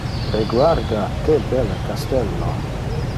Reguarda que belle castello!